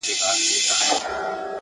د حقیقت درناوی عقل پیاوړی کوي؛